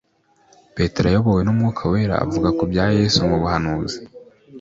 Petero ayobowe n'Umwuka wera avuga ku bya Yesu mu buhanuzi